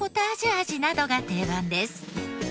味などが定番です。